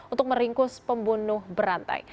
untuk meringkus pembunuh berantai